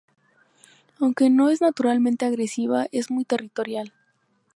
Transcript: Aunque no es naturalmente agresiva es muy territorial.